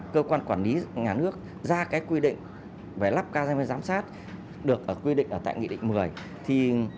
cơ quan quản lý nhà nước ra quy định về lắp camera giám sát được quy định ở tại nghị định một mươi